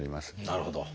なるほど。